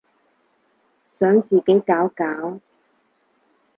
想自己搞搞